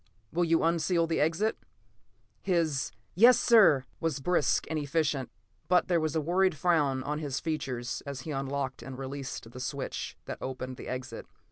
Will you unseal the exit?" His "Yes, sir!" was brisk and efficient, but there was a worried frown on his features as he unlocked and released the switch that opened the exit.